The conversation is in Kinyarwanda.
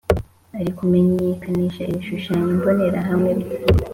ari Kumenyekanisha ibishushanyo mbonerahamwe bye